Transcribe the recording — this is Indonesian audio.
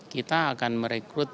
kita akan merekrut